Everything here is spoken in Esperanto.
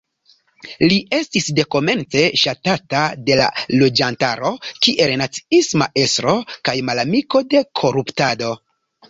Li estis dekomence ŝatata de la loĝantaro kiel naciisma estro kaj malamiko de koruptado.